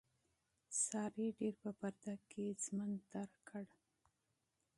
سارې ډېر په پرده کې ژوند تېر کړ.